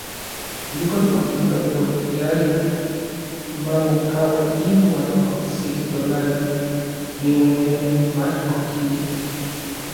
Yejuan okitlatlautiayaj ma mokaua inuan okseki tonali, iuan yej mach okinek.